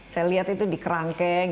saya lihat itu di kerangkeng